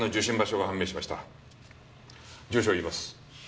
住所を言います。